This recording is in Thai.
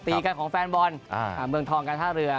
ตีกันของแฟนบอลเมืองทองการท่าเรือ